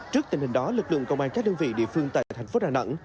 trước tình hình đó lực lượng công an các đơn vị địa phương tại thành phố đà nẵng